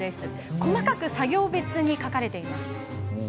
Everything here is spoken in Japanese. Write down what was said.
細かく作業別に書かれています。